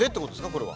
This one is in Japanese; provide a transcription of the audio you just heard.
これは。